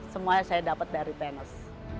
semuanya saya dapat dari tenis